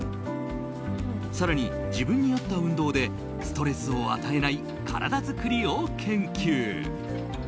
更に、自分に合った運動でストレスを与えない体作りを研究。